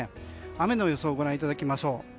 雨の予想をご覧いただきます。